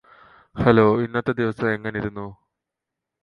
hello ഇന്നത്തെ ദിവസം എങ്ങനിരുന്നു